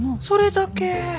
それだけ？